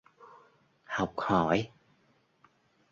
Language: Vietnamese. học hỏi